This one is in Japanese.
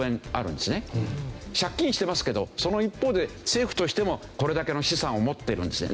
借金してますけどその一方で政府としてもこれだけの資産を持ってるんですね